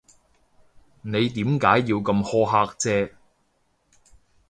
你點解要咁苛刻啫？